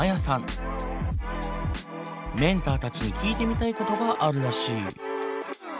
メンターたちに聞いてみたいことがあるらしい。